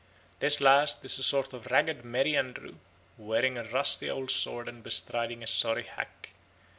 This last is a sort of ragged merryandrew, wearing a rusty old sword and bestriding a sorry hack.